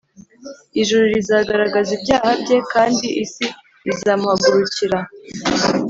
ijuru rizagaragaza ibyaha bye, kandi isi izamuhagurukira